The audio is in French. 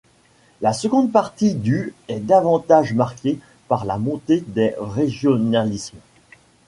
La seconde partie du est davantage marquée par la montée des régionalismes.